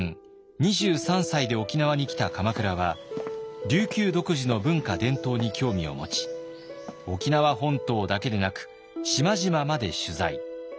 ２３歳で沖縄に来た鎌倉は琉球独自の文化伝統に興味を持ち沖縄本島だけでなく島々まで取材。